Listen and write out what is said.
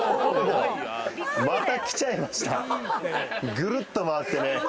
ぐるっと回ってね。